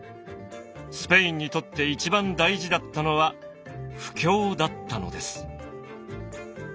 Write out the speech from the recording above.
スペインにとって一番大事だったのは布教だったのです。